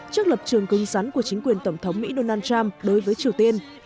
trước lập trường cung sắn của chính quyền tổng thống mỹ donald trump đối với triều tiên